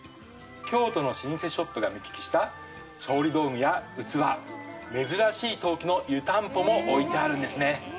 京都の老舗ショップが目利きした調理道具や器、珍しい陶器の湯たんぽも置いてあるんですね。